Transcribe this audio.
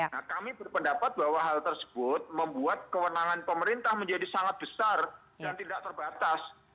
nah kami berpendapat bahwa hal tersebut membuat kewenangan pemerintah menjadi sangat besar dan tidak terbatas